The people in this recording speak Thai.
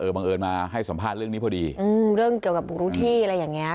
บังเอิญมาให้สัมภาษณ์เรื่องนี้พอดีอืมเรื่องเกี่ยวกับบุกรู้ที่อะไรอย่างเงี้